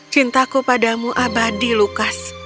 cintaku padamu abadi lukas